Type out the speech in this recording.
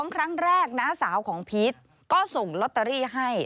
ครั้งแรกน้าสาวของพีชก็ส่งลอตเตอรี่ให้